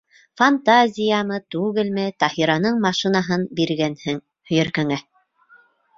Фантазиямы, түгелме, Таһираның машинаһын биргәнһең һөйәркәңә.